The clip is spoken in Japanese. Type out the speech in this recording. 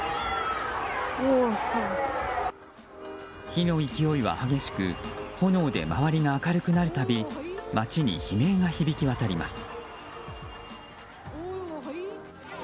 火の勢いは激しく炎で周りが明るくなる度街に悲鳴が響き渡ります。